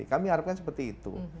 kami harapkan seperti itu